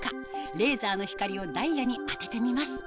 レーザーの光をダイヤに当ててみます